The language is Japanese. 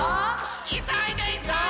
いそいでいそいで！